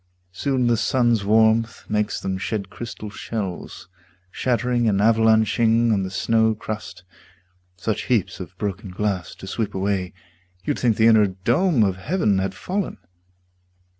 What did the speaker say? Soon the sun's warmth makes them shed crystal shells Shattering and avalanching on the snow crust Such heaps of broken glass to sweep away You'd think the inner dome of heaven had fallen.